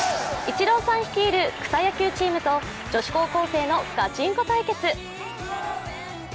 イチローさん率いる草野球チームと女子高校生のガチンコ対決。